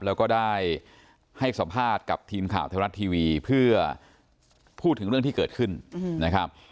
แล้วก็ได้ให้สัมภาษณ์กับทีมข่าวไทยรัฐทีวีเพื่อพูดถึงเรื่องที่เกิดขึ้นนะครับ